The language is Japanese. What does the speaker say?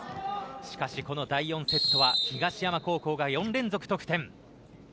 しかしこの第４セットは東山高校が４連続得点。